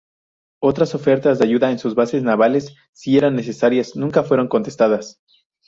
Ofertas de ayuda en sus bases navales, si eran necesarias, nunca fueron contestadas.